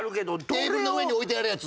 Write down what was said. テーブルの上に置いてあるやつ？